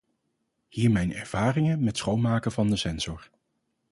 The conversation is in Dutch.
Hier mijn ervaringen met schoonmaken van de sensor.